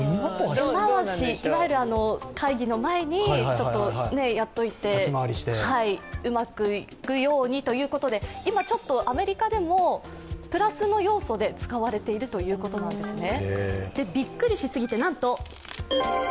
いわゆる会議の前にちょっとやっておいてうまくいくようにということで今ちょっとアメリカでもプラスの要素で使われているということなんですね。